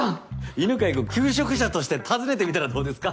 犬飼君求職者として訪ねてみたらどうですか？